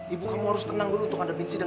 ibu kamu harus tenang dulu untuk ada di sidang